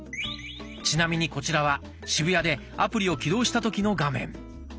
ちなみにこちらは渋谷でアプリを起動した時の画面。